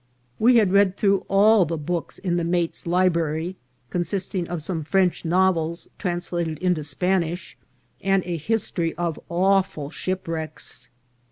We had read through all the books in the mate's libra ry, consisting of some French novels translated into Spanish, and a history of awful shipwrecks.